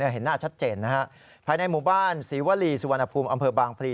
เห็นหน้าชัดเจนนะฮะภายในหมู่บ้านศรีวรีสุวรรณภูมิอำเภอบางพลี